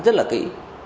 rất là kỹ